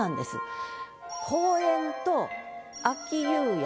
「公園」と「秋夕焼」